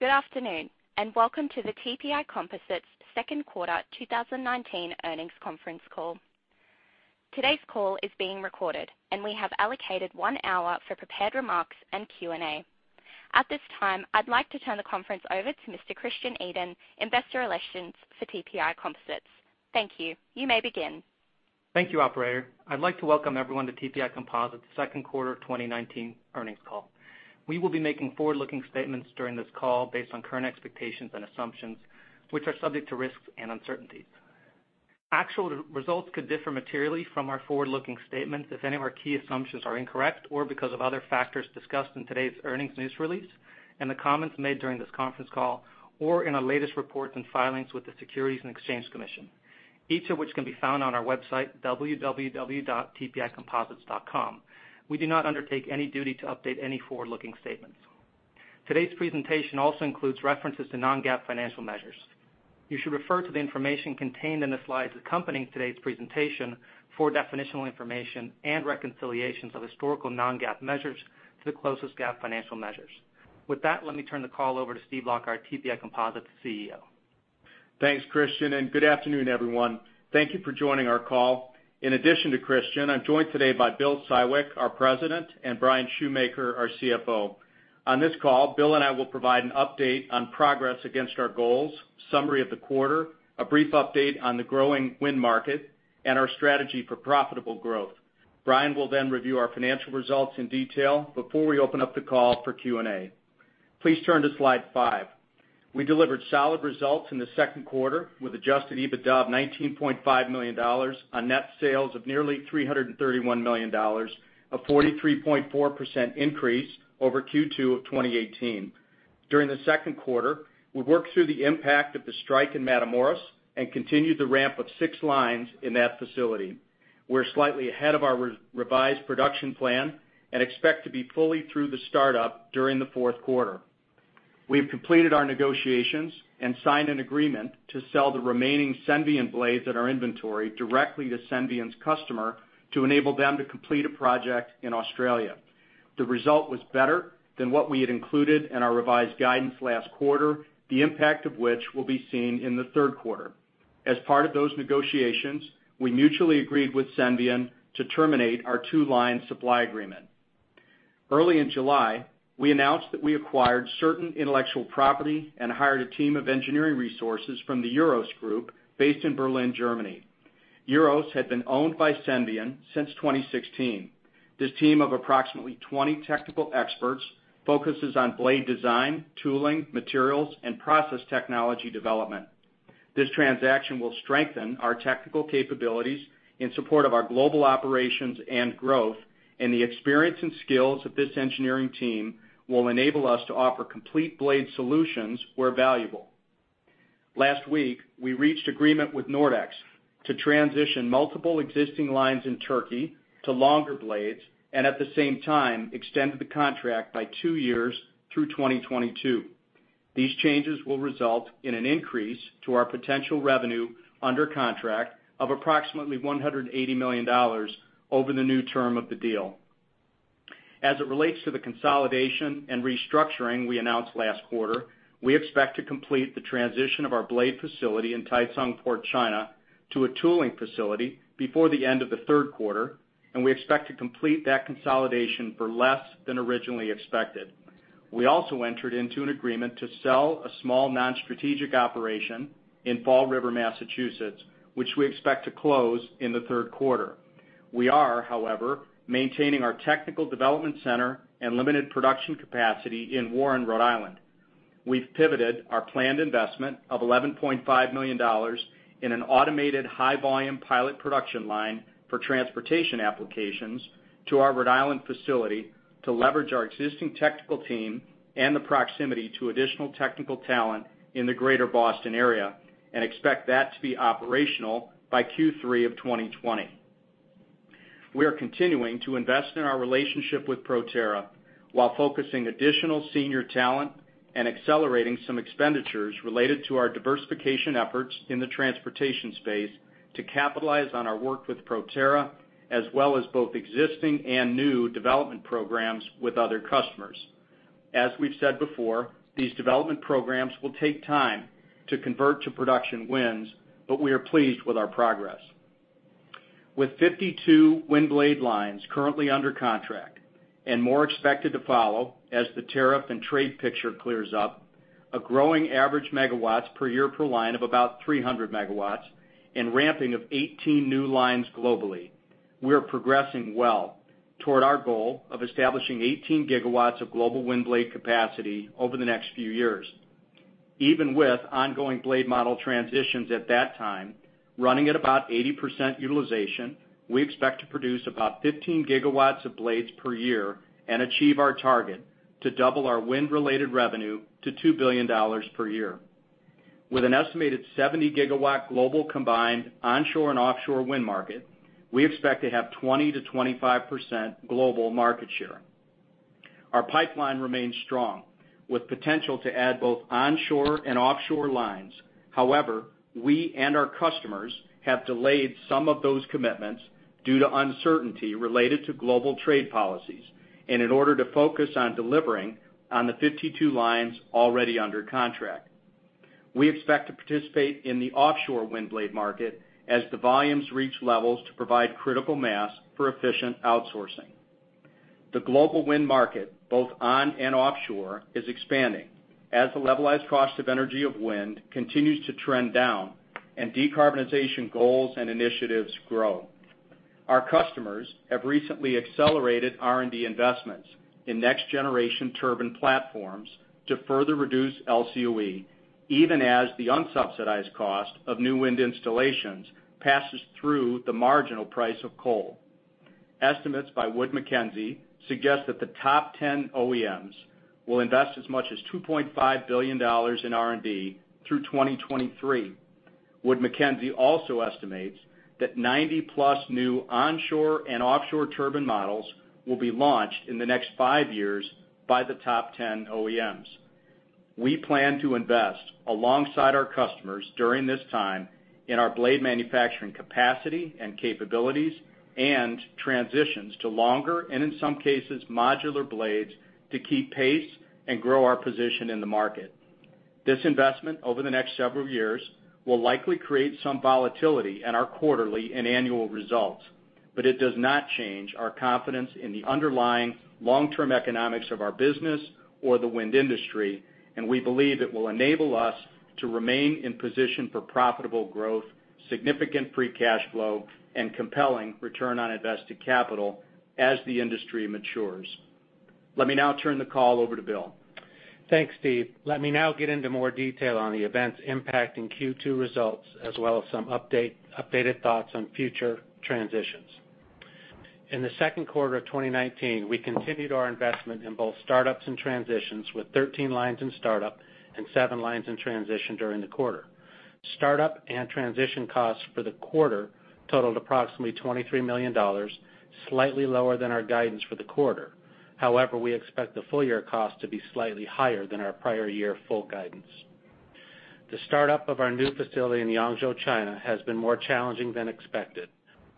Good afternoon. Welcome to the TPI Composites second quarter 2019 earnings conference call. Today's call is being recorded. We have allocated one hour for prepared remarks and Q&A. At this time, I'd like to turn the conference over to Mr. Christian Edin, Investor Relations for TPI Composites. Thank you. You may begin. Thank you, operator. I'd like to welcome everyone to TPI Composites second quarter 2019 earnings call. We will be making forward-looking statements during this call based on current expectations and assumptions, which are subject to risks and uncertainties. Actual results could differ materially from our forward-looking statements if any of our key assumptions are incorrect or because of other factors discussed in today's earnings news release and the comments made during this conference call or in our latest reports and filings with the Securities and Exchange Commission, each of which can be found on our website, www.tpicomposites.com. We do not undertake any duty to update any forward-looking statements. Today's presentation also includes references to non-GAAP financial measures. You should refer to the information contained in the slides accompanying today's presentation for definitional information and reconciliations of historical non-GAAP measures to the closest GAAP financial measures. With that, let me turn the call over to Steve Lockard, TPI Composites CEO. Thanks, Christian. Good afternoon, everyone. Thank you for joining our call. In addition to Christian, I'm joined today by Bill Siwek, our president, and Bryan Schumaker, our CFO. On this call, Bill and I will provide an update on progress against our goals, summary of the quarter, a brief update on the growing wind market, and our strategy for profitable growth. Bryan will review our financial results in detail before we open up the call for Q&A. Please turn to slide five. We delivered solid results in the second quarter with adjusted EBITDA of $19.5 million on net sales of nearly $331 million, a 43.4% increase over Q2 of 2018. During the second quarter, we worked through the impact of the strike in Matamoros and continued the ramp of six lines in that facility. We're slightly ahead of our revised production plan and expect to be fully through the startup during the fourth quarter. We've completed our negotiations and signed an agreement to sell the remaining Senvion blades in our inventory directly to Senvion's customer to enable them to complete a project in Australia. The result was better than what we had included in our revised guidance last quarter, the impact of which will be seen in the third quarter. As part of those negotiations, we mutually agreed with Senvion to terminate our two-line supply agreement. Early in July, we announced that we acquired certain intellectual property and hired a team of engineering resources from the EUROS Group based in Berlin, Germany. EUROS had been owned by Senvion since 2016. This team of approximately 20 technical experts focuses on blade design, tooling, materials, and process technology development. This transaction will strengthen our technical capabilities in support of our global operations and growth, and the experience and skills of this engineering team will enable us to offer complete blade solutions where valuable. Last week, we reached agreement with Nordex to transition multiple existing lines in Turkey to longer blades and, at the same time, extend the contract by two years through 2022. These changes will result in an increase to our potential revenue under contract of approximately $180 million over the new term of the deal. As it relates to the consolidation and restructuring we announced last quarter, we expect to complete the transition of our blade facility in Taicang Port, China, to a tooling facility before the end of the third quarter, and we expect to complete that consolidation for less than originally expected. We also entered into an agreement to sell a small non-strategic operation in Fall River, Massachusetts, which we expect to close in the third quarter. We are, however, maintaining our technical development center and limited production capacity in Warren, Rhode Island. We've pivoted our planned investment of $11.5 million in an automated high-volume pilot production line for transportation applications to our Rhode Island facility to leverage our existing technical team and the proximity to additional technical talent in the greater Boston area and expect that to be operational by Q3 2020. We are continuing to invest in our relationship with Proterra while focusing additional senior talent and accelerating some expenditures related to our diversification efforts in the transportation space to capitalize on our work with Proterra, as well as both existing and new development programs with other customers. As we've said before, these development programs will take time to convert to production wins, but we are pleased with our progress. With 52 wind blade lines currently under contract and more expected to follow as the tariff and trade picture clears up, a growing average MW per year per line of about 300 MW and ramping of 18 new lines globally, we are progressing well toward our goal of establishing 18 GW of global wind blade capacity over the next few years. Even with ongoing blade model transitions at that time, running at about 80% utilization, we expect to produce about 15 GW of blades per year and achieve our target to double our wind-related revenue to $2 billion per year. With an estimated 70 GW global combined onshore and offshore wind market, we expect to have 20%-25% global market share. Our pipeline remains strong with potential to add both onshore and offshore lines. However, we and our customers have delayed some of those commitments due to uncertainty related to global trade policies, and in order to focus on delivering on the 52 lines already under contract. We expect to participate in the offshore wind blade market as the volumes reach levels to provide critical mass for efficient outsourcing. The global wind market, both on and offshore, is expanding as the levelized cost of energy of wind continues to trend down and decarbonization goals and initiatives grow. Our customers have recently accelerated R&D investments in next generation turbine platforms to further reduce LCOE, even as the unsubsidized cost of new wind installations passes through the marginal price of coal. Estimates by Wood Mackenzie suggest that the top 10 OEMs will invest as much as $2.5 billion in R&D through 2023. Wood Mackenzie also estimates that 90 plus new onshore and offshore turbine models will be launched in the next five years by the top 10 OEMs. We plan to invest alongside our customers during this time in our blade manufacturing capacity and capabilities, and transitions to longer, and in some cases, modular blades to keep pace and grow our position in the market. This investment over the next several years will likely create some volatility in our quarterly and annual results, but it does not change our confidence in the underlying long-term economics of our business or the wind industry, and we believe it will enable us to remain in position for profitable growth, significant free cash flow, and compelling return on invested capital as the industry matures. Let me now turn the call over to Bill. Thanks, Steve. Let me now get into more detail on the events impacting Q2 results, as well as some updated thoughts on future transitions. In the second quarter of 2019, we continued our investment in both startups and transitions with 13 lines in startup and seven lines in transition during the quarter. Startup and transition costs for the quarter totaled approximately $23 million, slightly lower than our guidance for the quarter. However, we expect the full-year cost to be slightly higher than our prior year full guidance. The startup of our new facility in Yangzhou, China, has been more challenging than expected.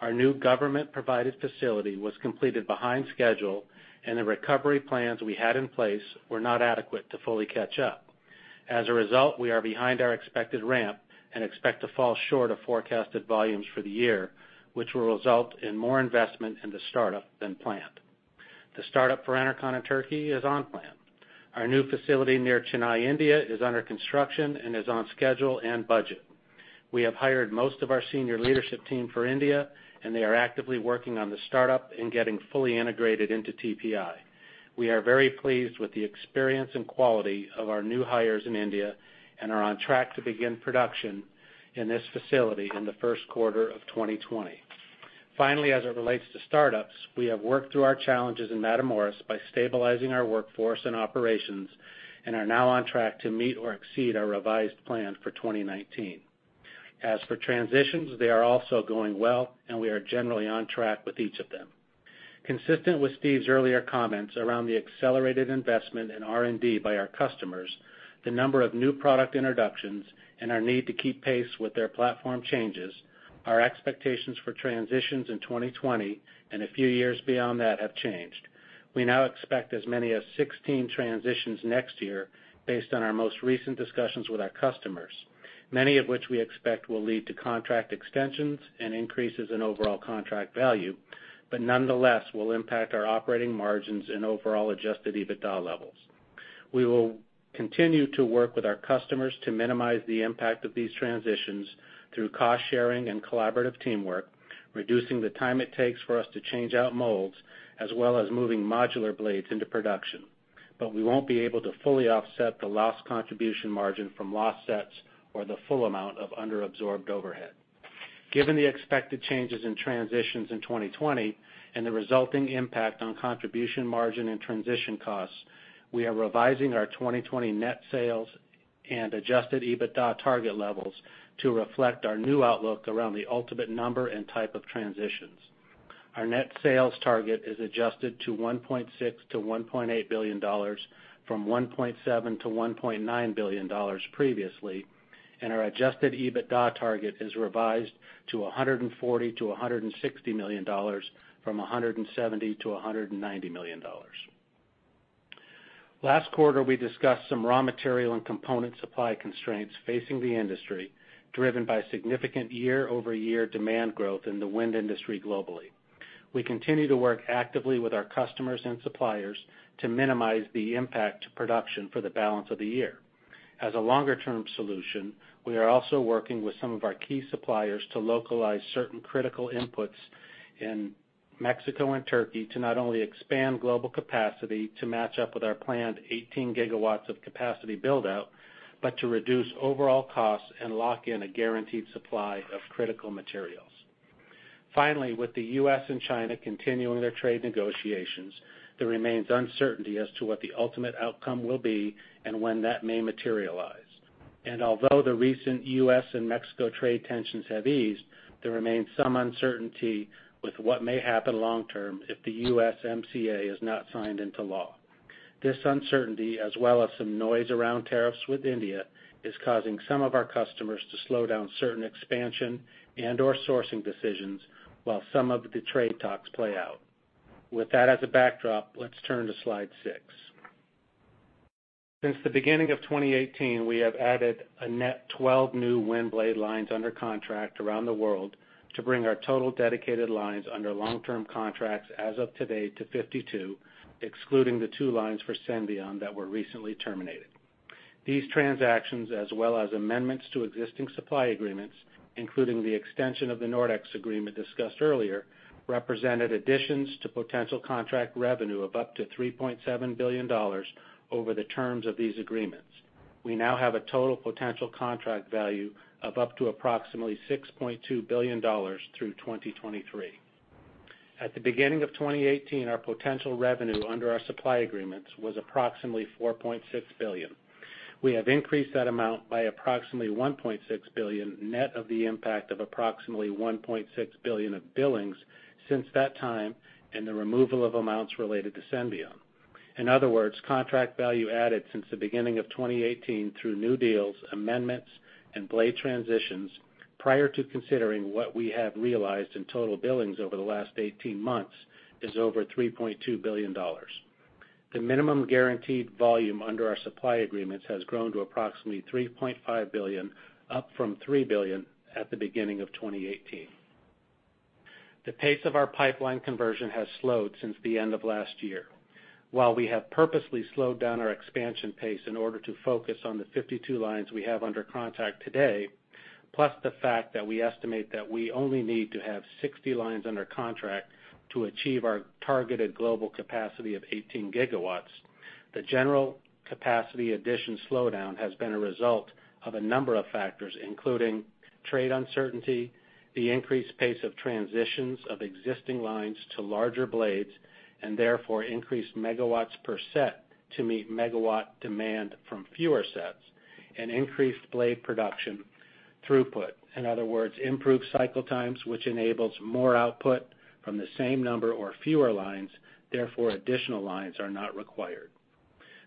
Our new government-provided facility was completed behind schedule, and the recovery plans we had in place were not adequate to fully catch up. We are behind our expected ramp and expect to fall short of forecasted volumes for the year, which will result in more investment in the startup than planned. The startup for Enercon in Turkey is on plan. Our new facility near Chennai, India, is under construction and is on schedule and budget. We have hired most of our senior leadership team for India, and they are actively working on the startup and getting fully integrated into TPI. We are very pleased with the experience and quality of our new hires in India and are on track to begin production in this facility in the first quarter of 2020. As it relates to startups, we have worked through our challenges in Matamoros by stabilizing our workforce and operations and are now on track to meet or exceed our revised plan for 2019. As for transitions, they are also going well, and we are generally on track with each of them. Consistent with Steve's earlier comments around the accelerated investment in R&D by our customers, the number of new product introductions, and our need to keep pace with their platform changes, our expectations for transitions in 2020 and a few years beyond that have changed. We now expect as many as 16 transitions next year based on our most recent discussions with our customers, many of which we expect will lead to contract extensions and increases in overall contract value, but nonetheless, will impact our operating margins and overall adjusted EBITDA levels. We will continue to work with our customers to minimize the impact of these transitions through cost sharing and collaborative teamwork, reducing the time it takes for us to change out molds, as well as moving modular blades into production. We won't be able to fully offset the lost contribution margin from lost sets or the full amount of under-absorbed overhead. Given the expected changes in transitions in 2020 and the resulting impact on contribution margin and transition costs, we are revising our 2020 net sales and adjusted EBITDA target levels to reflect our new outlook around the ultimate number and type of transitions. Our net sales target is adjusted to $1.6 billion-$1.8 billion from $1.7 billion-$1.9 billion previously, and our adjusted EBITDA target is revised to $140 million-$160 million from $170 million-$190 million. Last quarter, we discussed some raw material and component supply constraints facing the industry, driven by significant year-over-year demand growth in the wind industry globally. We continue to work actively with our customers and suppliers to minimize the impact to production for the balance of the year. As a longer-term solution, we are also working with some of our key suppliers to localize certain critical inputs in Mexico and Turkey to not only expand global capacity to match up with our planned 18 gigawatts of capacity build-out, but to reduce overall costs and lock in a guaranteed supply of critical materials. Finally, with the U.S. and China continuing their trade negotiations, there remains uncertainty as to what the ultimate outcome will be and when that may materialize. Although the recent U.S. and Mexico trade tensions have eased, there remains some uncertainty with what may happen long term if the USMCA is not signed into law. This uncertainty, as well as some noise around tariffs with India, is causing some of our customers to slow down certain expansion and/or sourcing decisions while some of the trade talks play out. With that as a backdrop, let's turn to slide six. Since the beginning of 2018, we have added a net 12 new wind blade lines under contract around the world to bring our total dedicated lines under long-term contracts as of today to 52, excluding the two lines for Senvion that were recently terminated. These transactions, as well as amendments to existing supply agreements, including the extension of the Nordex agreement discussed earlier, represented additions to potential contract revenue of up to $3.7 billion over the terms of these agreements. We now have a total potential contract value of up to approximately $6.2 billion through 2023. At the beginning of 2018, our potential revenue under our supply agreements was approximately $4.6 billion. We have increased that amount by approximately $1.6 billion net of the impact of approximately $1.6 billion of billings since that time and the removal of amounts related to Senvion. In other words, contract value added since the beginning of 2018 through new deals, amendments, and blade transitions, prior to considering what we have realized in total billings over the last 18 months, is over $3.2 billion. The minimum guaranteed volume under our supply agreements has grown to approximately $3.5 billion, up from $3 billion at the beginning of 2018. The pace of our pipeline conversion has slowed since the end of last year. While we have purposely slowed down our expansion pace in order to focus on the 52 lines we have under contract today, plus the fact that we estimate that we only need to have 60 lines under contract to achieve our targeted global capacity of 18 gigawatts, the general capacity addition slowdown has been a result of a number of factors, including trade uncertainty, the increased pace of transitions of existing lines to larger blades, and therefore increased megawatts per set to meet megawatt demand from fewer sets, and increased blade production throughput. In other words, improved cycle times, which enables more output from the same number or fewer lines, therefore additional lines are not required.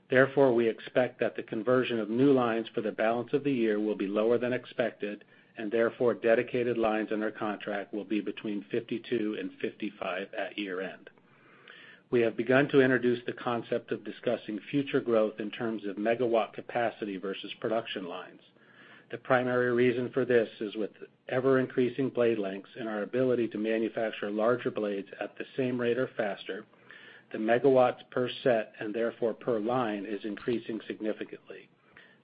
Therefore, we expect that the conversion of new lines for the balance of the year will be lower than expected, and therefore dedicated lines under contract will be between 52 and 55 at year-end. We have begun to introduce the concept of discussing future growth in terms of megawatt capacity versus production lines. The primary reason for this is with ever-increasing blade lengths and our ability to manufacture larger blades at the same rate or faster, the megawatts per set, and therefore per line, is increasing significantly.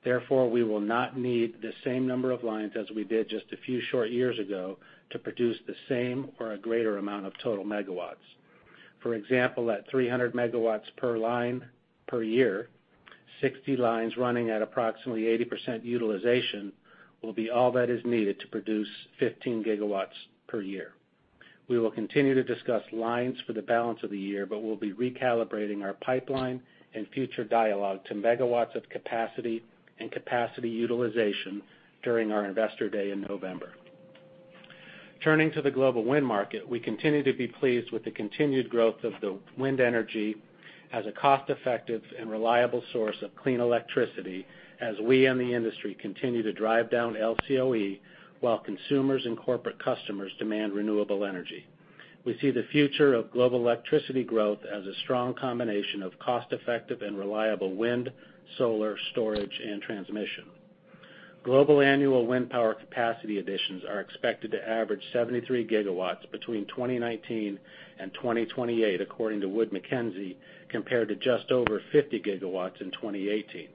Therefore, we will not need the same number of lines as we did just a few short years ago to produce the same or a greater amount of total megawatts. For example, at 300 megawatts per line per year, 60 lines running at approximately 80% utilization will be all that is needed to produce 15 gigawatts per year. We will continue to discuss lines for the balance of the year, but we'll be recalibrating our pipeline and future dialogue to megawatts of capacity and capacity utilization during our Investor Day in November. Turning to the global wind market, we continue to be pleased with the continued growth of the wind energy as a cost-effective and reliable source of clean electricity as we and the industry continue to drive down LCOE while consumers and corporate customers demand renewable energy. We see the future of global electricity growth as a strong combination of cost-effective and reliable wind, solar, storage, and transmission. Global annual wind power capacity additions are expected to average 73 gigawatts between 2019 and 2028, according to Wood Mackenzie, compared to just over 50 gigawatts in 2018.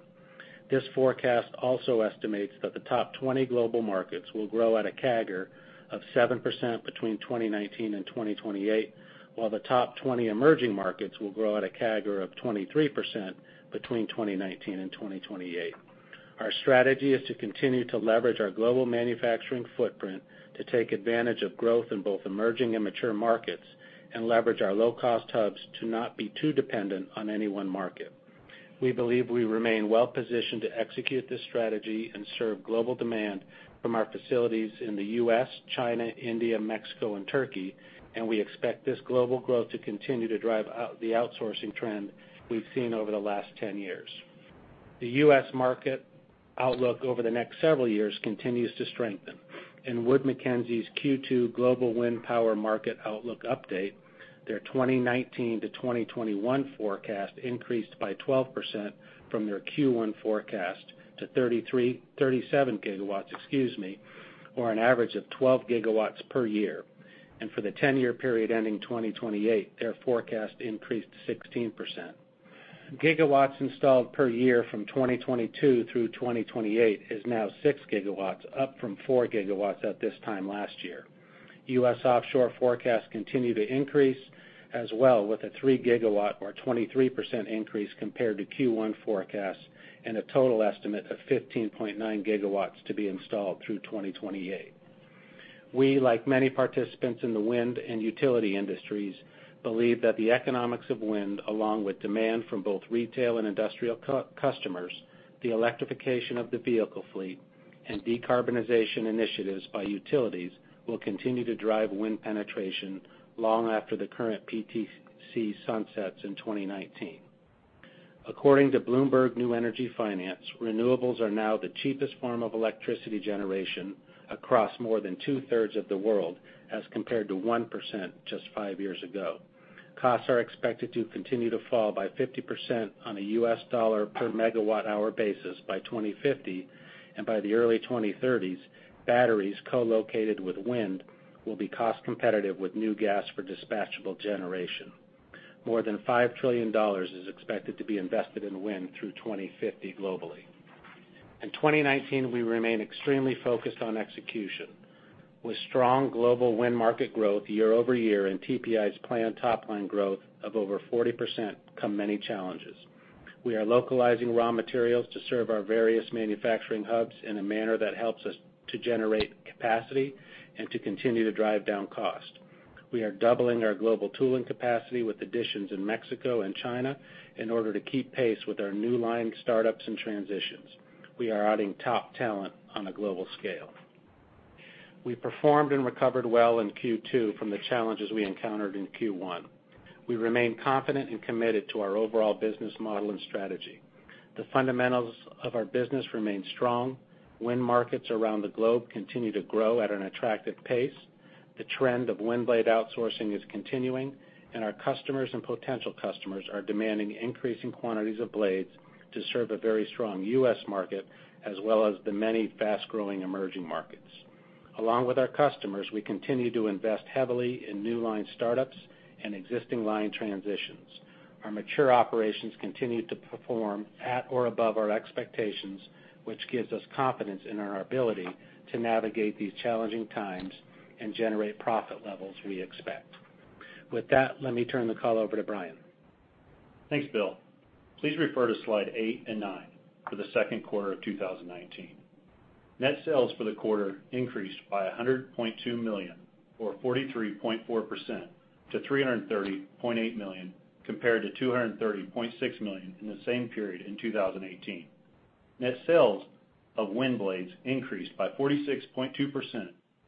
This forecast also estimates that the top 20 global markets will grow at a CAGR of 7% between 2019 and 2028, while the top 20 emerging markets will grow at a CAGR of 23% between 2019 and 2028. Our strategy is to continue to leverage our global manufacturing footprint to take advantage of growth in both emerging and mature markets and leverage our low-cost hubs to not be too dependent on any one market. We believe we remain well-positioned to execute this strategy and serve global demand from our facilities in the U.S., China, India, Mexico, and Turkey, and we expect this global growth to continue to drive the outsourcing trend we've seen over the last 10 years. The U.S. market outlook over the next several years continues to strengthen. In Wood Mackenzie's Q2 Global Wind Power Market Outlook update, their 2019 to 2021 forecast increased by 12% from their Q1 forecast to 37 gigawatts, or an average of 12 gigawatts per year. For the 10-year period ending 2028, their forecast increased 16%. Gigawatts installed per year from 2022 through 2028 is now six gigawatts, up from four gigawatts at this time last year. U.S. offshore forecasts continue to increase as well, with a three gigawatt or 23% increase compared to Q1 forecasts and a total estimate of 15.9 gigawatts to be installed through 2028. We, like many participants in the wind and utility industries, believe that the economics of wind, along with demand from both retail and industrial customers, the electrification of the vehicle fleet And decarbonization initiatives by utilities will continue to drive wind penetration long after the current PTC sunsets in 2019. According to Bloomberg New Energy Finance, renewables are now the cheapest form of electricity generation across more than two-thirds of the world as compared to 1% just five years ago. Costs are expected to continue to fall by 50% on a U.S. dollar per megawatt hour basis by 2050, and by the early 2030s, batteries co-located with wind will be cost competitive with new gas for dispatchable generation. More than $5 trillion is expected to be invested in wind through 2050 globally. In 2019, we remain extremely focused on execution. With strong global wind market growth year-over-year and TPI's planned top line growth of over 40% come many challenges. We are localizing raw materials to serve our various manufacturing hubs in a manner that helps us to generate capacity and to continue to drive down cost. We are doubling our global tooling capacity with additions in Mexico and China in order to keep pace with our new line startups and transitions. We are adding top talent on a global scale. We performed and recovered well in Q2 from the challenges we encountered in Q1. We remain confident and committed to our overall business model and strategy. The fundamentals of our business remain strong. Wind markets around the globe continue to grow at an attractive pace. The trend of wind blade outsourcing is continuing, and our customers and potential customers are demanding increasing quantities of blades to serve a very strong U.S. market, as well as the many fast-growing emerging markets. Along with our customers, we continue to invest heavily in new line startups and existing line transitions. Our mature operations continue to perform at or above our expectations, which gives us confidence in our ability to navigate these challenging times and generate profit levels we expect. With that, let me turn the call over to Bryan. Thanks, Bill. Please refer to slide eight and nine for the second quarter of 2019. Net sales for the quarter increased by $100.2 million or 43.4% to $330.8 million compared to $230.6 million in the same period in 2018. Net sales of wind blades increased by 46.2%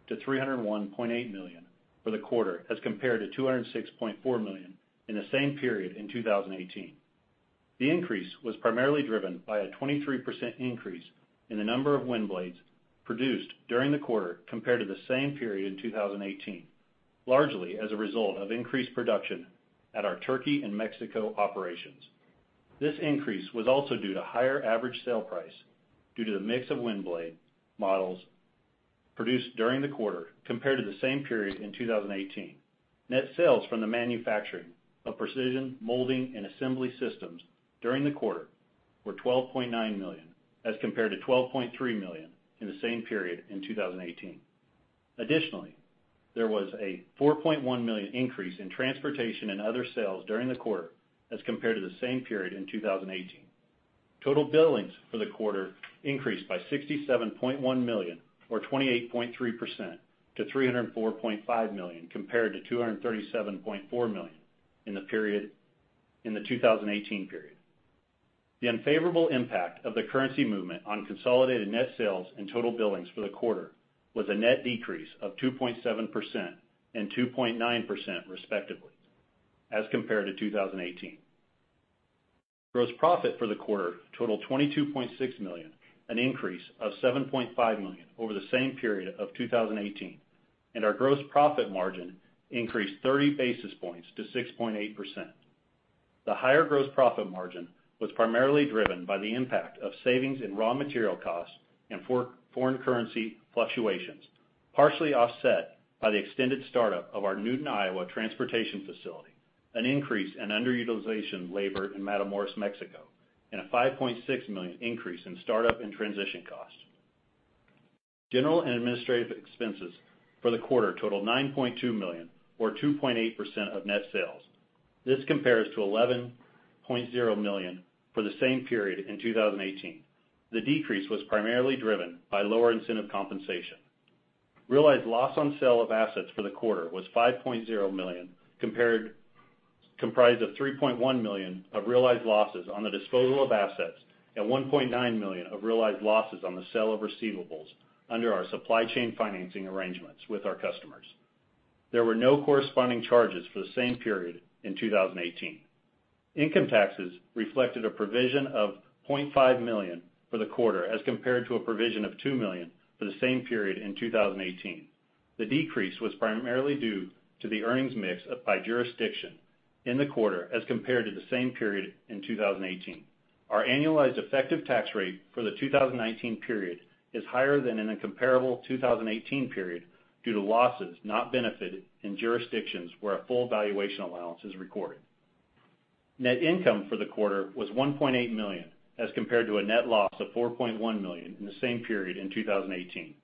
to $301.8 million for the quarter as compared to $206.4 million in the same period in 2018. The increase was primarily driven by a 23% increase in the number of wind blades produced during the quarter compared to the same period in 2018, largely as a result of increased production at our Turkey and Mexico operations. This increase was also due to higher average sale price due to the mix of wind blade models produced during the quarter compared to the same period in 2018. Net sales from the manufacturing of precision molding and assembly systems during the quarter were $12.9 million, as compared to $12.3 million in the same period in 2018. Additionally, there was a $4.1 million increase in transportation and other sales during the quarter as compared to the same period in 2018. Total billings for the quarter increased by $67.1 million or 28.3% to $304.5 million compared to $237.4 million in the 2018 period. The unfavorable impact of the currency movement on consolidated net sales and total billings for the quarter was a net decrease of 2.7% and 2.9% respectively as compared to 2018. Gross profit for the quarter totaled $22.6 million, an increase of $7.5 million over the same period of 2018, and our gross profit margin increased 30 basis points to 6.8%. The higher gross profit margin was primarily driven by the impact of savings in raw material costs and foreign currency fluctuations, partially offset by the extended startup of our Newton, Iowa transportation facility, an increase in underutilization labor in Matamoros, Mexico, and a $5.6 million increase in startup and transition costs. General and administrative expenses for the quarter totaled $9.2 million or 2.8% of net sales. This compares to $11.0 million for the same period in 2018. The decrease was primarily driven by lower incentive compensation. Realized loss on sale of assets for the quarter was $5.0 million, comprised of $3.1 million of realized losses on the disposal of assets and $1.9 million of realized losses on the sale of receivables under our supply chain financing arrangements with our customers. There were no corresponding charges for the same period in 2018. Income taxes reflected a provision of $0.5 million for the quarter as compared to a provision of $2 million for the same period in 2018. The decrease was primarily due to the earnings mix by jurisdiction in the quarter as compared to the same period in 2018. Our annualized effective tax rate for the 2019 period is higher than in a comparable 2018 period due to losses not benefited in jurisdictions where a full valuation allowance is recorded. Net income for the quarter was $1.8 million, as compared to a net loss of $4.1 million in the same period in 2018.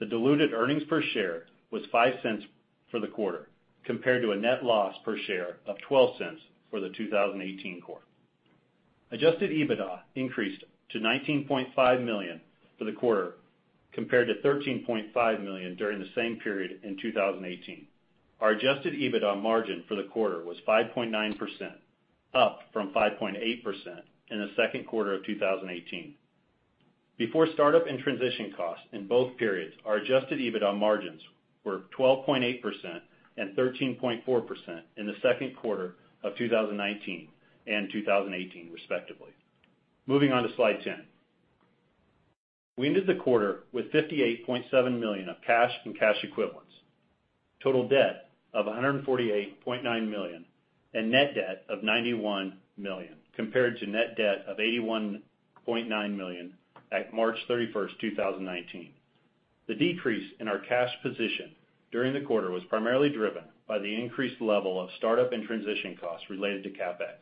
The diluted earnings per share was $0.05 for the quarter, compared to a net loss per share of $0.12 for the 2018 quarter. Adjusted EBITDA increased to $19.5 million for the quarter, compared to $13.5 million during the same period in 2018. Our adjusted EBITDA margin for the quarter was 5.9%, up from 5.8% in the second quarter of 2018. Before startup and transition costs in both periods, our adjusted EBITDA margins were 12.8% and 13.4% in the second quarter of 2019 and 2018 respectively. Moving on to slide 10. We ended the quarter with $58.7 million of cash and cash equivalents, total debt of $148.9 million, and net debt of $91 million, compared to net debt of $81.9 million at March 31st, 2019. The decrease in our cash position during the quarter was primarily driven by the increased level of startup and transition costs related to CapEx.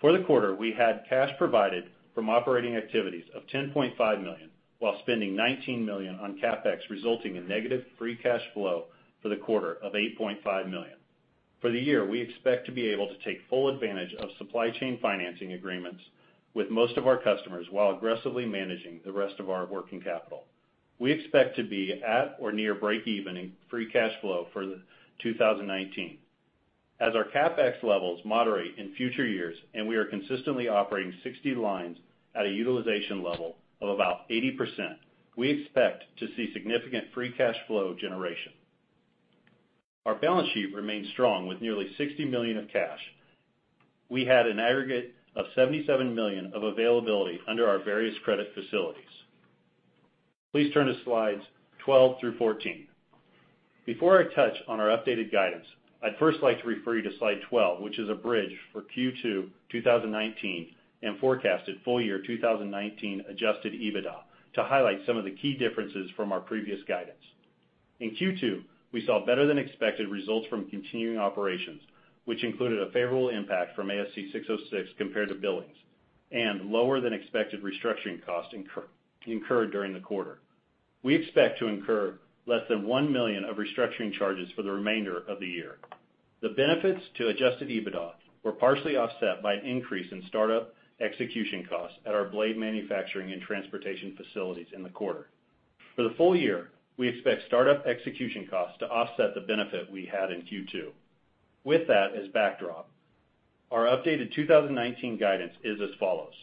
For the quarter, we had cash provided from operating activities of $10.5 million while spending $19 million on CapEx, resulting in negative free cash flow for the quarter of $8.5 million. For the year, we expect to be able to take full advantage of supply chain financing agreements with most of our customers while aggressively managing the rest of our working capital. We expect to be at or near breakeven in free cash flow for 2019. As our CapEx levels moderate in future years and we are consistently operating 60 lines at a utilization level of about 80%, we expect to see significant free cash flow generation. Our balance sheet remains strong with nearly $60 million of cash. We had an aggregate of $77 million of availability under our various credit facilities. Please turn to slides 12 through 14. Before I touch on our updated guidance, I'd first like to refer you to slide 12, which is a bridge for Q2 2019 and forecasted full year 2019 adjusted EBITDA to highlight some of the key differences from our previous guidance. In Q2, we saw better than expected results from continuing operations, which included a favorable impact from ASC 606 compared to billings and lower than expected restructuring costs incurred during the quarter. We expect to incur less than $1 million of restructuring charges for the remainder of the year. The benefits to adjusted EBITDA were partially offset by an increase in startup execution costs at our blade manufacturing and transportation facilities in the quarter. For the full year, we expect startup execution costs to offset the benefit we had in Q2. With that as backdrop, our updated 2019 guidance is as follows.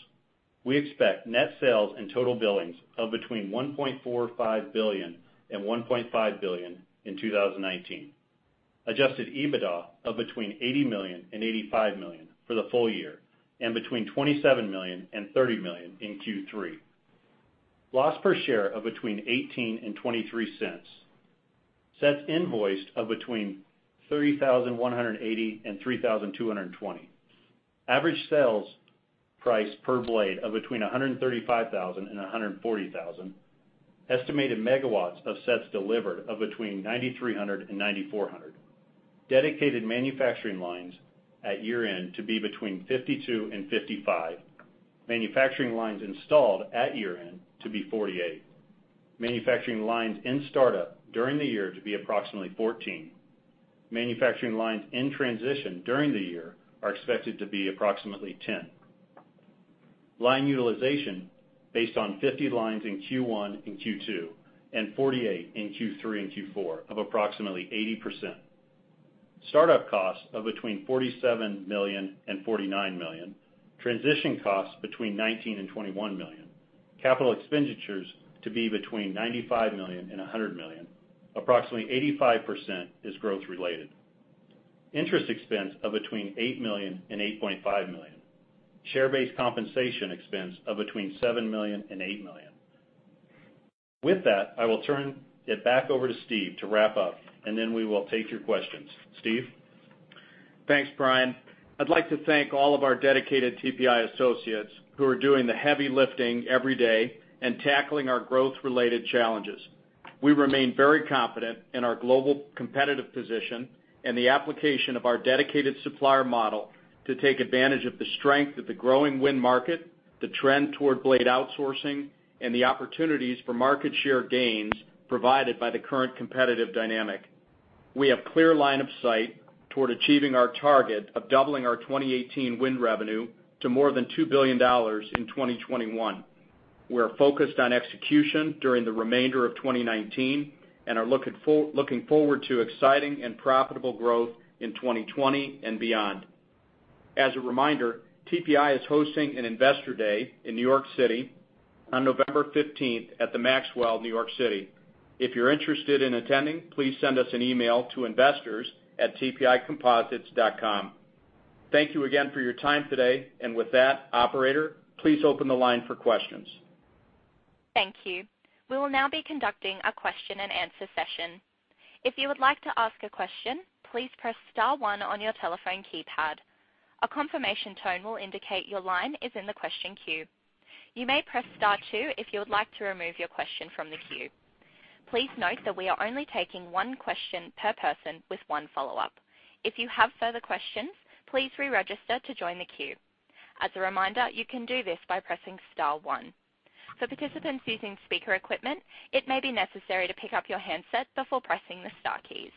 We expect net sales and total billings of between $1.45 billion and $1.5 billion in 2019. Adjusted EBITDA of between $80 million and $85 million for the full year, and between $27 million and $30 million in Q3. Loss per share of between $0.18 and $0.23. Sets invoiced of between 3,180 and 3,220. Average sales price per blade of between 135,000 and 140,000. Estimated megawatts of sets delivered of between 9,300 and 9,400. Dedicated manufacturing lines at year-end to be between 52 and 55. Manufacturing lines installed at year-end to be 48. Manufacturing lines in startup during the year to be approximately 14. Manufacturing lines in transition during the year are expected to be approximately 10. Line utilization based on 50 lines in Q1 and Q2 and 48 in Q3 and Q4 of approximately 80%. Startup costs of between $47 million and $49 million. Transition costs between $19 million and $21 million. Capital expenditures to be between $95 million and $100 million. Approximately 85% is growth related. Interest expense of between $8 million and $8.5 million. Share-based compensation expense of between $7 million and $8 million. With that, I will turn it back over to Steve to wrap up, and then we will take your questions. Steve? Thanks, Bryan. I'd like to thank all of our dedicated TPI associates who are doing the heavy lifting every day and tackling our growth-related challenges. We remain very confident in our global competitive position and the application of our dedicated supplier model to take advantage of the strength of the growing wind market, the trend toward blade outsourcing, and the opportunities for market share gains provided by the current competitive dynamic. We have clear line of sight toward achieving our target of doubling our 2018 wind revenue to more than $2 billion in 2021. We're focused on execution during the remainder of 2019 and are looking forward to exciting and profitable growth in 2020 and beyond. As a reminder, TPI is hosting an investor day in New York City on November 15th at The Maxwell New York City. If you're interested in attending, please send us an email to investors@tpicomposites.com. Thank you again for your time today. With that, operator, please open the line for questions. Thank you. We will now be conducting a question and answer session. If you would like to ask a question, please press star one on your telephone keypad. A confirmation tone will indicate your line is in the question queue. You may press star two if you would like to remove your question from the queue. Please note that we are only taking one question per person with one follow-up. If you have further questions, please re-register to join the queue. As a reminder, you can do this by pressing star one. For participants using speaker equipment, it may be necessary to pick up your handset before pressing the star keys.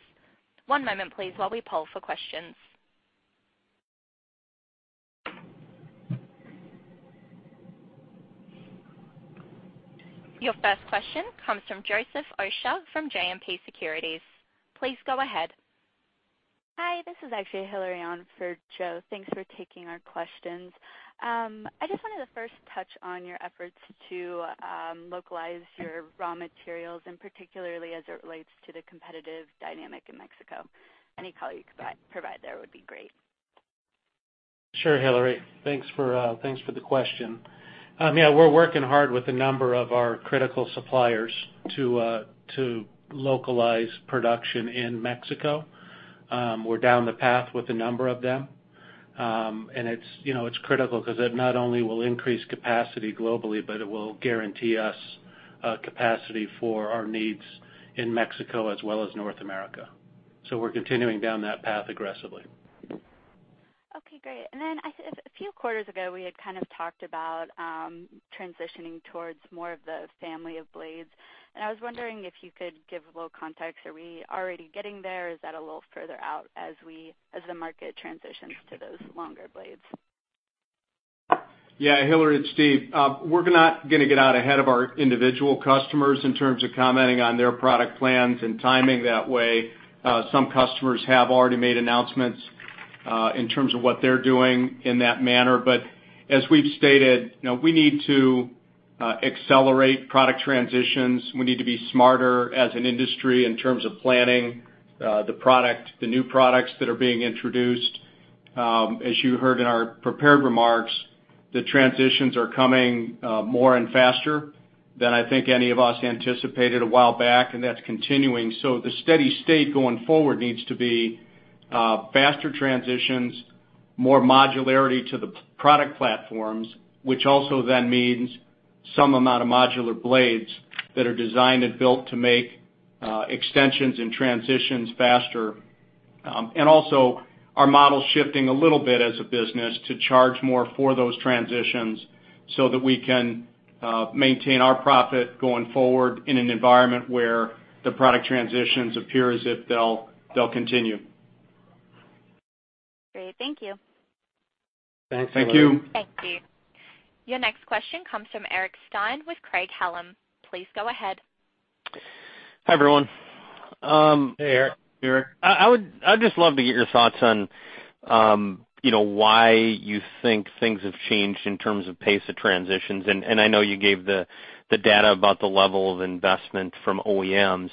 One moment please while we poll for questions. Your first question comes from Joseph Osha from JMP Securities. Please go ahead. Hi, this is actually Hilary on for Joe. Thanks for taking our questions. I just wanted to first touch on your efforts to localize your raw materials, and particularly as it relates to the competitive dynamic in Mexico. Any color you could provide there would be great. Sure, Hilary. Thanks for the question. Yeah, we're working hard with a number of our critical suppliers to localize production in Mexico. We're down the path with a number of them. It's critical because it not only will increase capacity globally, but it will guarantee us capacity for our needs in Mexico as well as North America. We're continuing down that path aggressively. Okay, great. A few quarters ago, we had talked about transitioning towards more of the family of blades, and I was wondering if you could give a little context. Are we already getting there? Is that a little further out as the market transitions to those longer blades? Yeah, Hilary, it's Steve. We're not going to get out ahead of our individual customers in terms of commenting on their product plans and timing that way. Some customers have already made announcements, in terms of what they're doing in that manner. As we've stated, we need to accelerate product transitions. We need to be smarter as an industry in terms of planning the new products that are being introduced. As you heard in our prepared remarks, the transitions are coming more and faster than I think any of us anticipated a while back, and that's continuing. The steady state going forward needs to be faster transitions, more modularity to the product platforms, which also then means some amount of modular blades that are designed and built to make extensions and transitions faster. Also, our model's shifting a little bit as a business to charge more for those transitions so that we can maintain our profit going forward in an environment where the product transitions appear as if they'll continue. Great. Thank you. Thanks, Hilary. Thank you. Thank you. Your next question comes from Eric Stine with Craig-Hallum. Please go ahead. Hi, everyone. Hey, Eric. Hey, Eric. I would just love to get your thoughts on why you think things have changed in terms of pace of transitions. I know you gave the data about the level of investment from OEMs,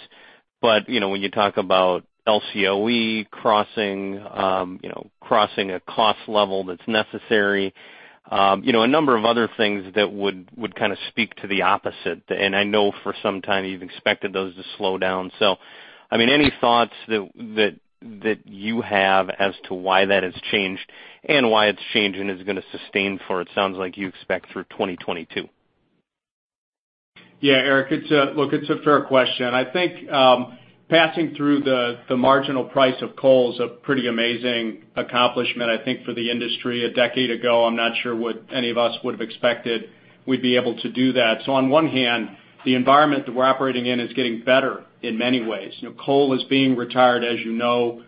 but when you talk about LCOE crossing a cost level that's necessary, a number of other things that would kind of speak to the opposite, and I know for some time you've expected those to slow down. Any thoughts that you have as to why that has changed and why it's changing is going to sustain for it sounds like you expect through 2022? Yeah, Eric, look, it's a fair question. I think passing through the marginal price of coal is a pretty amazing accomplishment, I think for the industry. A decade ago, I'm not sure what any of us would've expected we'd be able to do that. On one hand, the environment that we're operating in is getting better in many ways. Coal is being retired, as you know.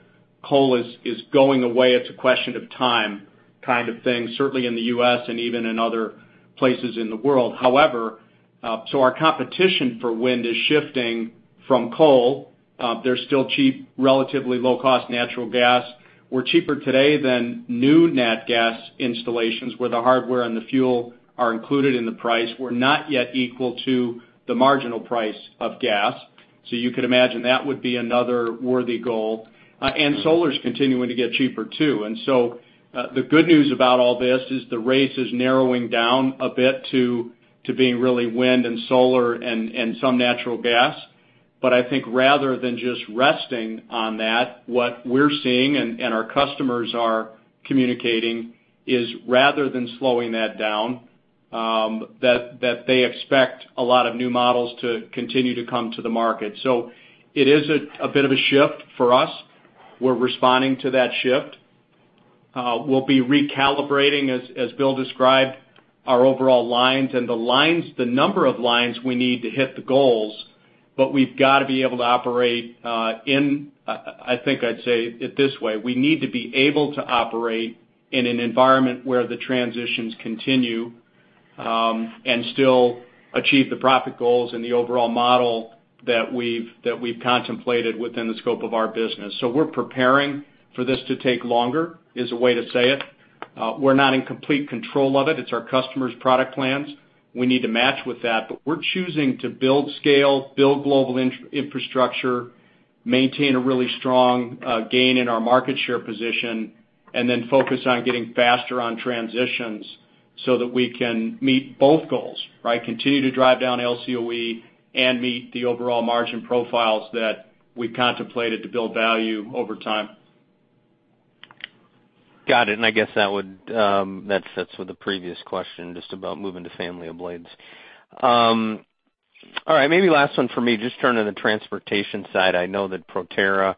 Coal is going away. It's a question of time kind of thing, certainly in the U.S. and even in other places in the world. However, our competition for wind is shifting from coal. There's still cheap, relatively low-cost natural gas. We're cheaper today than new nat gas installations, where the hardware and the fuel are included in the price. We're not yet equal to the marginal price of gas. You could imagine that would be another worthy goal. Solar's continuing to get cheaper, too. The good news about all this is the race is narrowing down a bit to being really wind and solar and some natural gas. I think rather than just resting on that, what we're seeing and our customers are communicating is rather than slowing that down, that they expect a lot of new models to continue to come to the market. It is a bit of a shift for us. We're responding to that shift. We'll be recalibrating, as Bill described, our overall lines and the number of lines we need to hit the goals. We've got to be able to operate in, I think I'd say it this way, we need to be able to operate in an environment where the transitions continue, and still achieve the profit goals and the overall model that we've contemplated within the scope of our business. We're preparing for this to take longer, is a way to say it. We're not in complete control of it. It's our customers' product plans. We need to match with that. We're choosing to build scale, build global infrastructure, maintain a really strong gain in our market share position, and then focus on getting faster on transitions so that we can meet both goals, right? Continue to drive down LCOE and meet the overall margin profiles that we've contemplated to build value over time. Got it. I guess that fits with the previous question, just about moving to family of blades. All right, maybe last one for me. Just turning to the transportation side, I know that Proterra,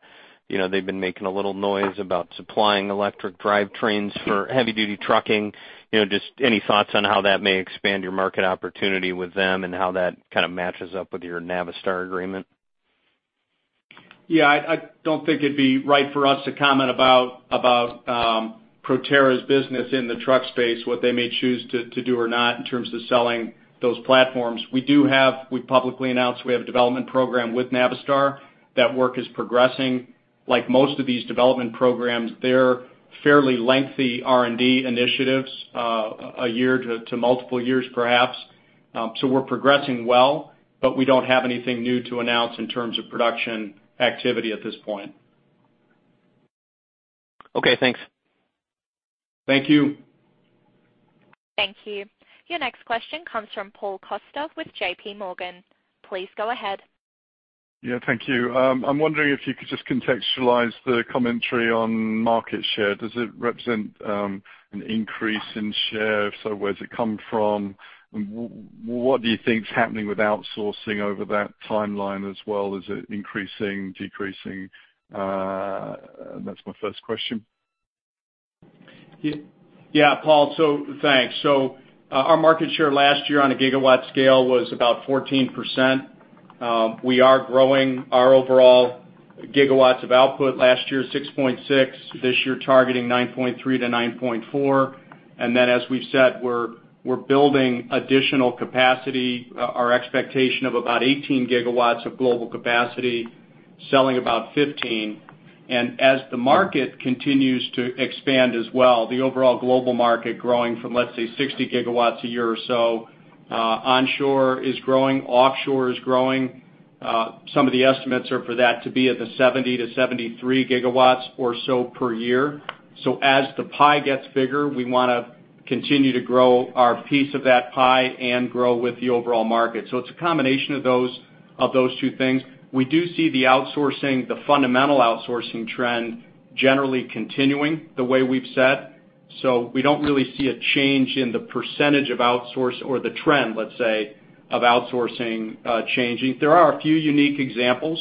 they've been making a little noise about supplying electric drivetrains for heavy-duty trucking. Just any thoughts on how that may expand your market opportunity with them and how that kind of matches up with your Navistar agreement? Yeah, I don't think it'd be right for us to comment about Proterra's business in the truck space, what they may choose to do or not in terms of selling those platforms. We've publicly announced we have a development program with Navistar. That work is progressing. Like most of these development programs, they're fairly lengthy R&D initiatives, a year to multiple years, perhaps. We're progressing well, but we don't have anything new to announce in terms of production activity at this point. Okay, thanks. Thank you. Thank you. Your next question comes from Paul Coster with J.P. Morgan. Please go ahead. Yeah, thank you. I'm wondering if you could just contextualize the commentary on market share. Does it represent an increase in share? If so, where does it come from? What do you think is happening with outsourcing over that timeline as well? Is it increasing, decreasing? That's my first question. Yeah, Paul. Thanks. Our market share last year on a gigawatt scale was about 14%. We are growing our overall gigawatts of output. Last year, 6.6. This year, targeting 9.3 gigawatts-9.4 gigawatts. As we've said, we're building additional capacity, our expectation of about 18 gigawatts of global capacity, selling about 15. As the market continues to expand as well, the overall global market growing from, let's say, 60 gigawatts a year or so, onshore is growing, offshore is growing. Some of the estimates are for that to be at the 70 gigawatts-73 gigawatts or so per year. As the pie gets bigger, we want to continue to grow our piece of that pie and grow with the overall market. It's a combination of those two things. We do see the outsourcing, the fundamental outsourcing trend, generally continuing the way we've said. We don't really see a change in the percentage of outsource or the trend, let's say, of outsourcing changing. There are a few unique examples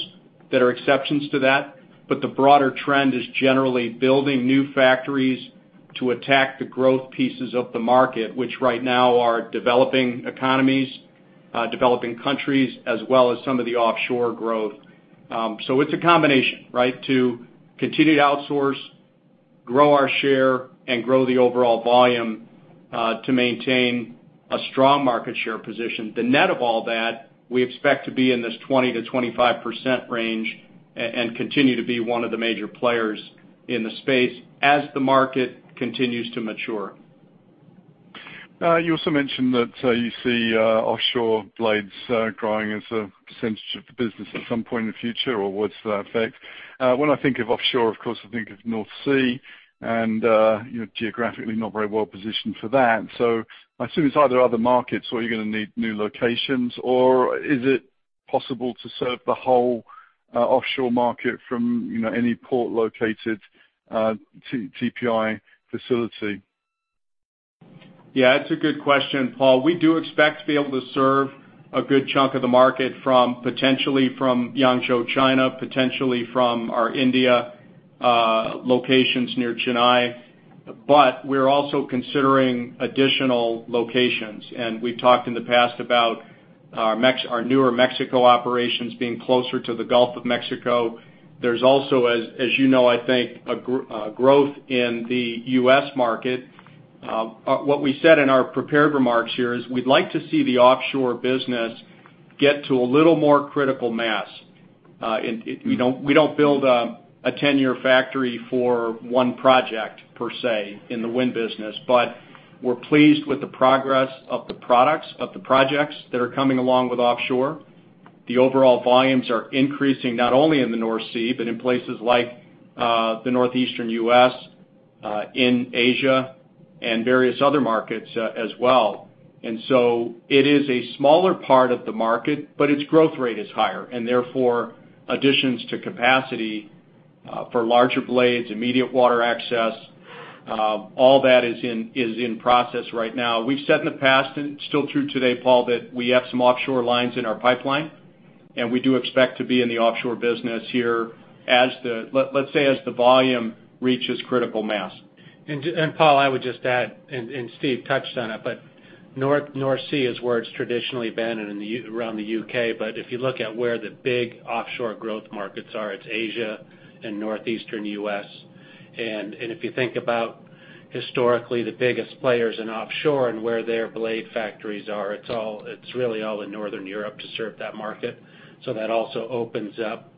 that are exceptions to that, but the broader trend is generally building new factories to attack the growth pieces of the market, which right now are developing economies, developing countries, as well as some of the offshore growth. It's a combination, right, to continue to outsource, grow our share, and grow the overall volume, to maintain a strong market share position. The net of all that, we expect to be in this 20%-25% range and continue to be one of the major players in the space as the market continues to mature. You also mentioned that you see offshore blades growing as a percentage of the business at some point in the future or words to that effect. When I think of offshore, of course, I think of North Sea, and you're geographically not very well-positioned for that. I assume it's either other markets or you're going to need new locations, or is it possible to serve the whole offshore market from any port-located TPI facility? Yeah, that's a good question, Paul. We do expect to be able to serve a good chunk of the market potentially from Yangzhou, China, potentially from our India locations near Chennai. We're also considering additional locations, and we've talked in the past about our newer Mexico operations being closer to the Gulf of Mexico. There's also, as you know, I think, a growth in the U.S. market. What we said in our prepared remarks here is we'd like to see the offshore business get to a little more critical mass. We don't build a 10-year factory for one project per se in the wind business, but we're pleased with the progress of the products, of the projects that are coming along with offshore. The overall volumes are increasing, not only in the North Sea, but in places like the Northeastern U.S., in Asia, and various other markets as well. It is a smaller part of the market, but its growth rate is higher, and therefore additions to capacity for larger blades, immediate water access, all that is in process right now. We've said in the past, and it's still true today, Paul, that we have some offshore lines in our pipeline, and we do expect to be in the offshore business here, let's say, as the volume reaches critical mass. Paul, I would just add, and Steve touched on it, North Sea is where it's traditionally been and around the U.K. If you look at where the big offshore growth markets are, it's Asia and Northeastern U.S. If you think about historically the biggest players in offshore and where their blade factories are, it's really all in Northern Europe to serve that market. That also opens up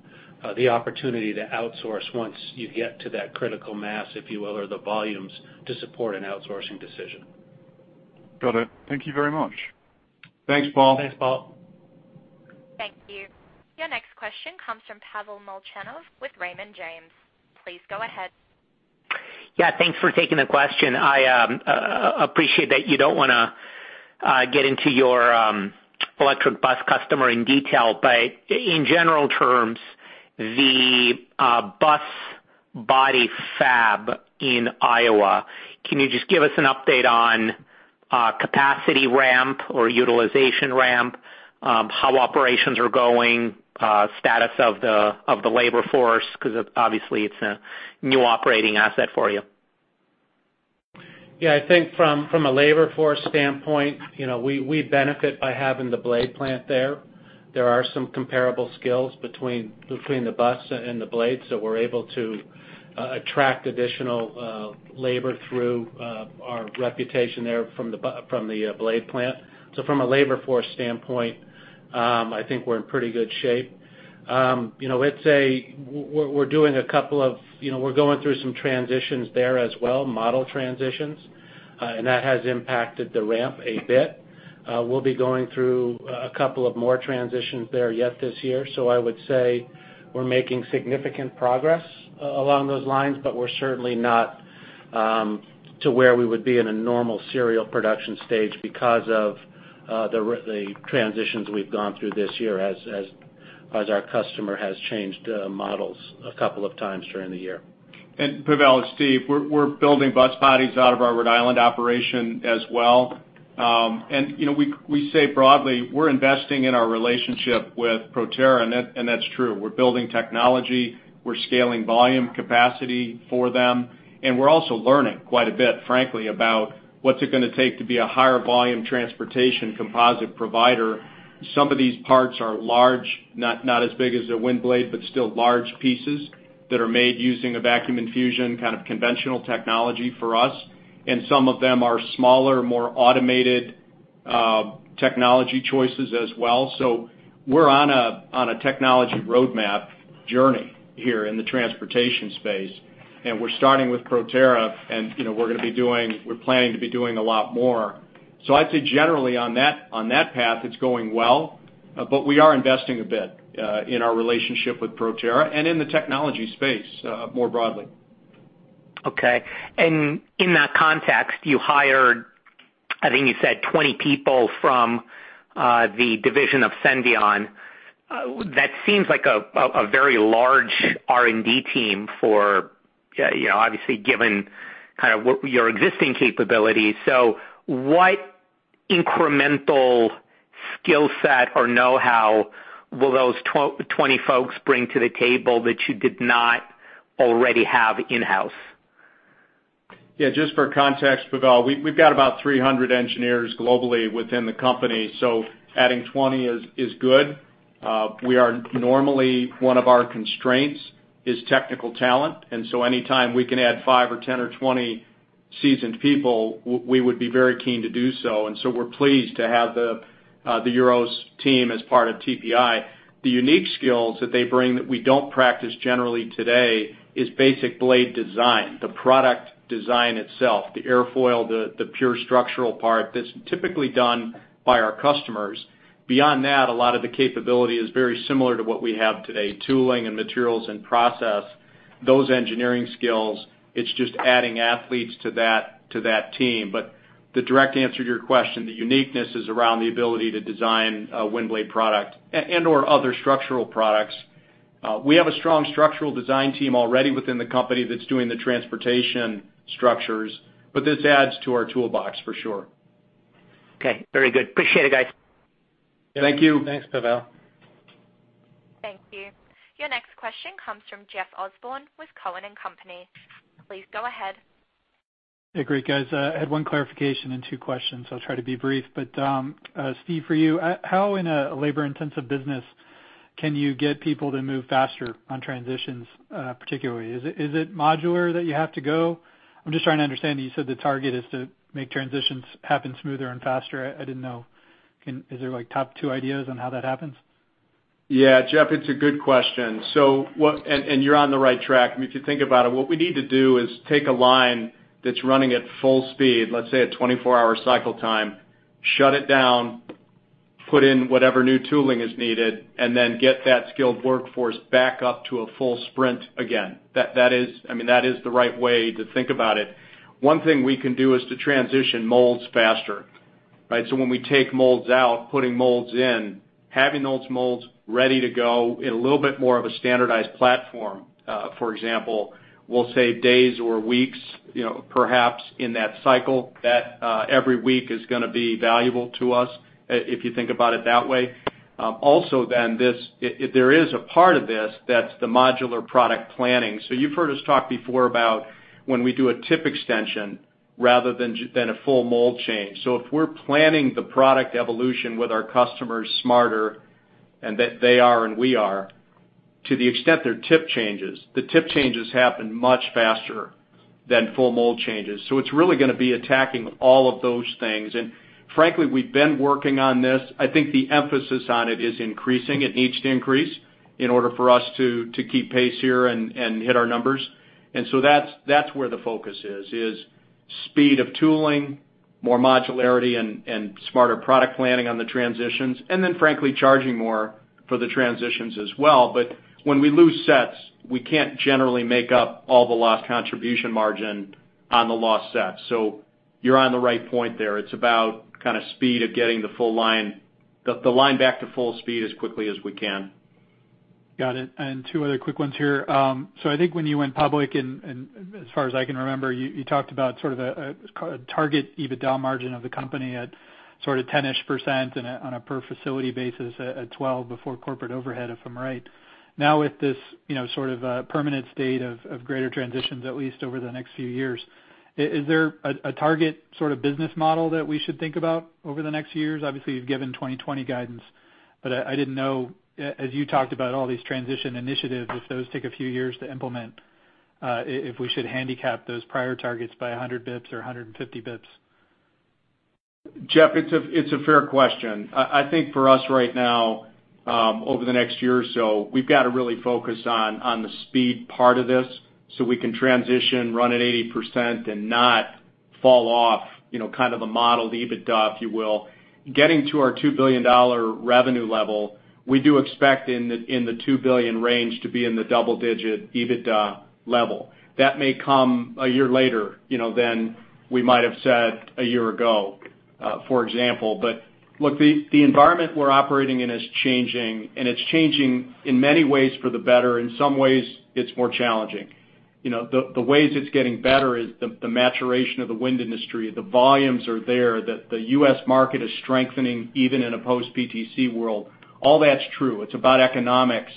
the opportunity to outsource once you get to that critical mass, if you will, or the volumes to support an outsourcing decision. Got it. Thank you very much. Thanks, Paul. Thanks, Paul. Thank you. Your next question comes from Pavel Molchanov with Raymond James. Please go ahead. Yeah, thanks for taking the question. I appreciate that you don't want to get into your electric bus customer in detail, but in general terms, the bus body fab in Iowa, can you just give us an update on capacity ramp or utilization ramp, how operations are going, status of the labor force? Obviously it's a new operating asset for you. I think from a labor force standpoint, we benefit by having the blade plant there. There are some comparable skills between the bus and the blade, so we're able to attract additional labor through our reputation there from the blade plant. From a labor force standpoint, I think we're in pretty good shape. We're going through some transitions there as well, model transitions, and that has impacted the ramp a bit. We'll be going through a couple of more transitions there yet this year. I would say we're making significant progress along those lines, but we're certainly not to where we would be in a normal serial production stage because of the transitions we've gone through this year as our customer has changed models a couple of times during the year. Pavel, Steve, we're building bus bodies out of our Rhode Island operation as well. We say broadly we're investing in our relationship with Proterra, and that's true. We're building technology, we're scaling volume capacity for them, and we're also learning quite a bit, frankly, about what's it going to take to be a higher volume transportation composite provider. Some of these parts are large, not as big as a wind blade, but still large pieces that are made using a vacuum infusion, kind of conventional technology for us. Some of them are smaller, more automated technology choices as well. We're on a technology roadmap journey here in the transportation space, and we're starting with Proterra, and we're planning to be doing a lot more. I'd say generally on that path, it's going well. We are investing a bit in our relationship with Proterra and in the technology space more broadly. Okay. In that context, you hired, I think you said 20 people from the division of Senvion. That seems like a very large R&D team obviously given your existing capabilities. What incremental skill set or know-how will those 20 folks bring to the table that you did not already have in-house? Yeah, just for context, Pavel, we've got about 300 engineers globally within the company. Adding 20 is good. Normally, one of our constraints is technical talent. Anytime we can add five or 10 or 20 seasoned people, we would be very keen to do so. We're pleased to have the EUROS team as part of TPI. The unique skills that they bring that we don't practice generally today is basic blade design, the product design itself, the airfoil, the pure structural part that's typically done by our customers. Beyond that, a lot of the capability is very similar to what we have today, tooling and materials and process, those engineering skills. It's just adding athletes to that team. The direct answer to your question, the uniqueness is around the ability to design a wind blade product and/or other structural products. We have a strong structural design team already within the company that's doing the transportation structures, but this adds to our toolbox for sure. Okay. Very good. Appreciate it, guys. Thank you. Thanks, Pavel. Thank you. Your next question comes from Jeff Osborne with Cowen and Company. Please go ahead. Yeah, great, guys. I had one clarification and two questions. I'll try to be brief. Steve, for you, how in a labor-intensive business can you get people to move faster on transitions, particularly? Is it modular that you have to go? I'm just trying to understand, you said the target is to make transitions happen smoother and faster. I didn't know. Is there top two ideas on how that happens? Yeah, Jeff, it's a good question, and you're on the right track. If you think about it, what we need to do is take a line that's running at full speed, let's say a 24-hour cycle time, shut it down, put in whatever new tooling is needed, and then get that skilled workforce back up to a full sprint again. That is the right way to think about it. One thing we can do is to transition molds faster, right? When we take molds out, putting molds in, having those molds ready to go in a little bit more of a standardized platform, for example, will save days or weeks, perhaps, in that cycle, that every week is going to be valuable to us, if you think about it that way. There is a part of this that's the modular product planning. You've heard us talk before about when we do a tip extension rather than a full mold change. If we're planning the product evolution with our customers smarter, and that they are and we are, to the extent they're tip changes, the tip changes happen much faster than full mold changes. It's really going to be attacking all of those things. Frankly, we've been working on this. I think the emphasis on it is increasing. It needs to increase in order for us to keep pace here and hit our numbers. That's where the focus is speed of tooling, more modularity, and smarter product planning on the transitions, and then frankly, charging more for the transitions as well. When we lose sets, we can't generally make up all the lost contribution margin on the lost sets. You're on the right point there. It's about kind of speed of getting the line back to full speed as quickly as we can. Got it. Two other quick ones here. I think when you went public, and as far as I can remember, you talked about sort of a target EBITDA margin of the company at sort of 10-ish% on a per facility basis, at 12% before corporate overhead, if I'm right. With this sort of permanent state of greater transitions, at least over the next few years, is there a target sort of business model that we should think about over the next few years? Obviously, you've given 2020 guidance, but I didn't know, as you talked about all these transition initiatives, if those take a few years to implement, if we should handicap those prior targets by 100 basis points or 150 basis points. Jeff, it's a fair question. I think for us right now, over the next year or so, we've got to really focus on the speed part of this so we can transition, run at 80% and not fall off, kind of the modeled EBITDA, if you will. Getting to our $2 billion revenue level, we do expect in the $2 billion range to be in the double-digit EBITDA level. That may come a year later than we might have said a year ago, for example. Look, the environment we're operating in is changing, and it's changing in many ways for the better. In some ways, it's more challenging. The ways it's getting better is the maturation of the wind industry. The volumes are there, that the U.S. market is strengthening even in a post-PTC world. All that's true. It's about economics.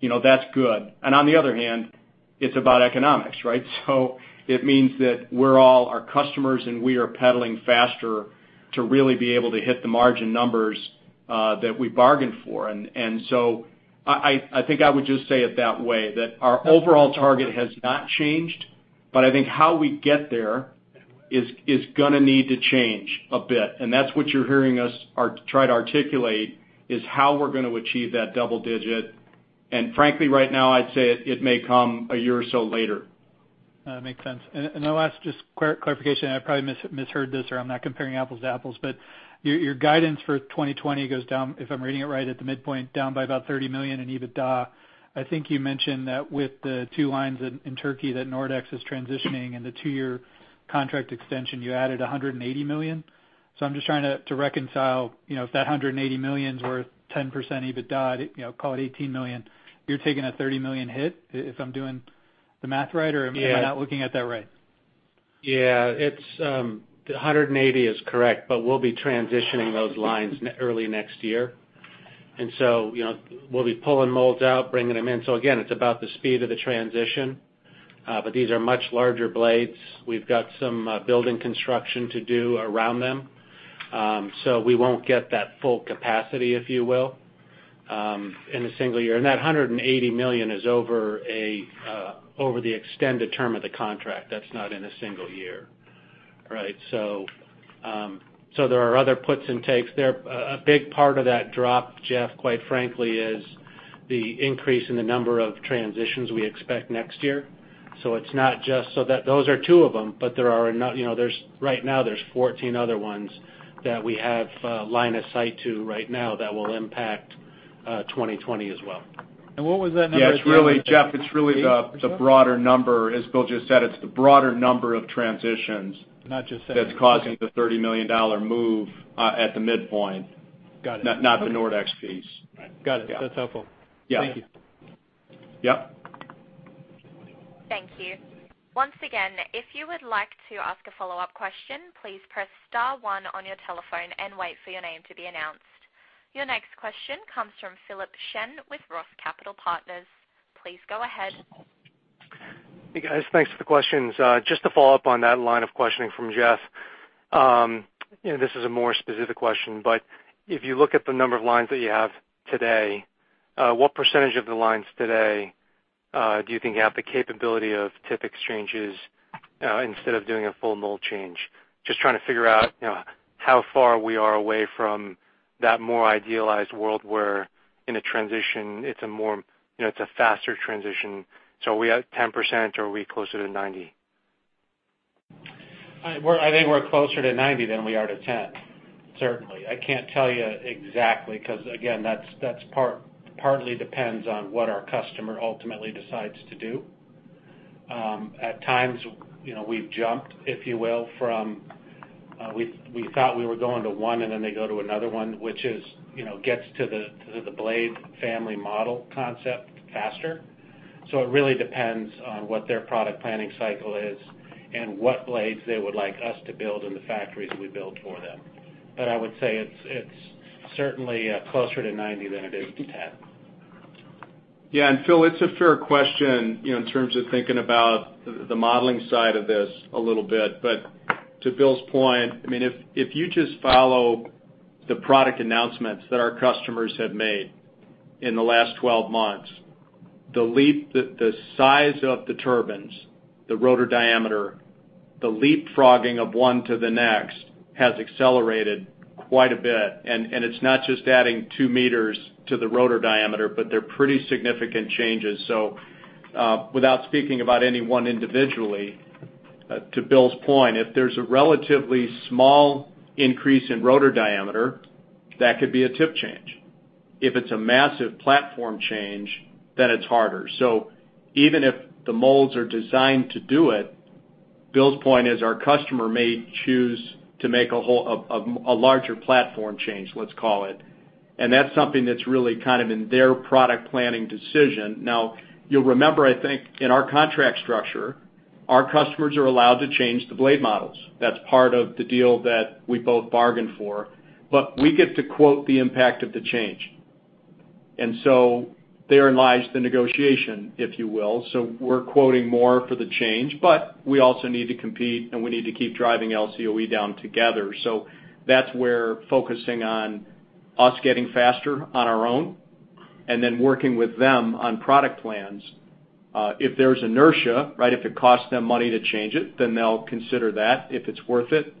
That's good. On the other hand, it's about economics, right? It means that we're all our customers, and we are pedaling faster to really be able to hit the margin numbers that we bargained for. I think I would just say it that way, that our overall target has not changed, but I think how we get there is going to need to change a bit. That's what you're hearing us try to articulate, is how we're going to achieve that double digit. Frankly, right now, I'd say it may come a year or so later. Makes sense. The last just clarification, I probably misheard this, or I'm not comparing apples to apples, but your guidance for 2020 goes down, if I'm reading it right, at the midpoint, down by about $30 million in EBITDA. I think you mentioned that with the two lines in Turkey that Nordex is transitioning and the two-year contract extension, you added $180 million. I'm just trying to reconcile, if that $180 million is worth 10% EBITDA, call it $18 million. You're taking a $30 million hit, if I'm doing the math right- Yeah am I not looking at that right? Yeah. The $180 is correct, but we'll be transitioning those lines early next year. We'll be pulling molds out, bringing them in. Again, it's about the speed of the transition. These are much larger blades. We've got some building construction to do around them. We won't get that full capacity, if you will, in a single year. That $180 million is over the extended term of the contract. That's not in a single year. Right. There are other puts and takes there. A big part of that drop, Jeff, quite frankly, is the increase in the number of transitions we expect next year. Those are two of them, but right now there's 14 other ones that we have line of sight to right now that will impact 2020 as well. What was that number? Yeah, Jeff, it's really the broader number. As Bill just said, it's the broader number of transitions. Not just- that's causing the $30 million move at the midpoint. Got it. Not the Nordex piece. Got it. That's helpful. Yeah. Thank you. Yep. Thank you. Once again, if you would like to ask a follow-up question, please press *1 on your telephone and wait for your name to be announced. Your next question comes from Philip Shen with ROTH Capital Partners. Please go ahead. Hey, guys. Thanks for the questions. Just to follow up on that line of questioning from Jeff, this is a more specific question, but if you look at the number of lines that you have today, what percentage of the lines today do you think have the capability of tip exchanges instead of doing a full mold change? Just trying to figure out how far we are away from that more idealized world where in a transition it's a faster transition. Are we at 10% or are we closer to 90%? I think we're closer to 90 than we are to 10, certainly. I can't tell you exactly, because again, that partly depends on what our customer ultimately decides to do. At times we've jumped, if you will, from we thought we were going to one, and then they go to another one, which gets to the blade family model concept faster. It really depends on what their product planning cycle is and what blades they would like us to build in the factories we build for them. I would say it's certainly closer to 90 than it is to 10. Phil, it's a fair question in terms of thinking about the modeling side of this a little bit. To Bill's point, if you just follow the product announcements that our customers have made in the last 12 months, the size of the turbines, the rotor diameter, the leapfrogging of one to the next has accelerated quite a bit, and it's not just adding two meters to the rotor diameter, but they're pretty significant changes. Without speaking about any one individually, to Bill's point, if there's a relatively small increase in rotor diameter, that could be a tip change. If it's a massive platform change, then it's harder. Even if the molds are designed to do it. Bill's point is our customer may choose to make a larger platform change, let's call it. That's something that's really kind of in their product planning decision. Now, you'll remember, I think, in our contract structure, our customers are allowed to change the blade models. That's part of the deal that we both bargained for. We get to quote the impact of the change. Therein lies the negotiation, if you will. We're quoting more for the change, but we also need to compete, and we need to keep driving LCOE down together. That's where focusing on us getting faster on our own and then working with them on product plans. If there's inertia, if it costs them money to change it, then they'll consider that. If it's worth it,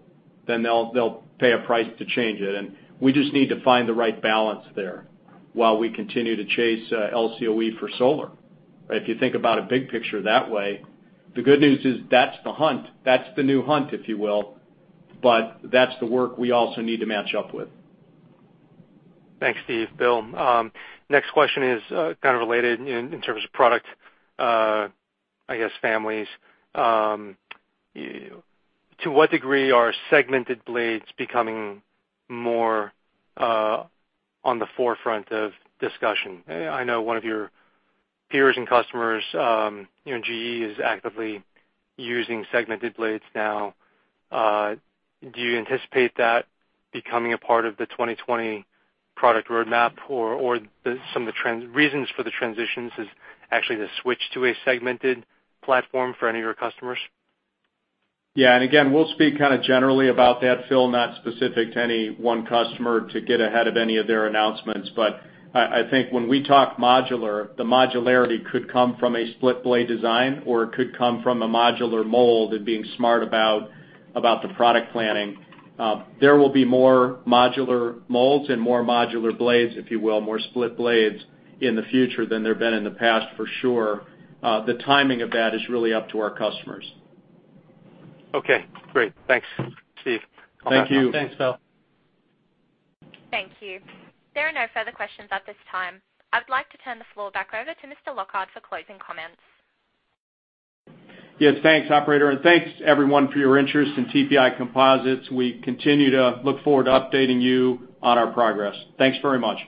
then they'll pay a price to change it, and we just need to find the right balance there while we continue to chase LCOE for solar. If you think about a big picture that way, the good news is that's the hunt. That's the new hunt, if you will. That's the work we also need to match up with. Thanks, Steve. Bill, next question is kind of related in terms of product, I guess, families. To what degree are segmented blades becoming more on the forefront of discussion? I know one of your peers and customers, GE, is actively using segmented blades now. Do you anticipate that becoming a part of the 2020 product roadmap or some of the reasons for the transitions is actually the switch to a segmented platform for any of your customers? Yeah. Again, we'll speak kind of generally about that, Phil, not specific to any one customer to get ahead of any of their announcements. I think when we talk modular, the modularity could come from a split blade design, or it could come from a modular mold and being smart about the product planning. There will be more modular molds and more modular blades, if you will, more split blades in the future than there have been in the past, for sure. The timing of that is really up to our customers. Okay, great. Thanks, Steve. Thank you. Thanks, Phil. Thank you. There are no further questions at this time. I'd like to turn the floor back over to Mr. Lockard for closing comments. Yes, thanks, operator. Thanks everyone for your interest in TPI Composites. We continue to look forward to updating you on our progress. Thanks very much.